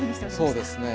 そうですね。